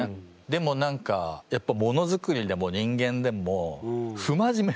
でも何かやっぱものづくりでも人間でもああ。